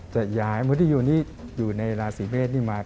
จะย้ายมืดนี้อยู่ในราศีเมษนี่มา